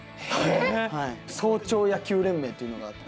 早朝野球連盟っていうのがあって。